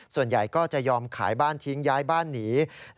ส่วนใหญ่ก็จะยอมขายบ้านทิ้งย้ายบ้านหนี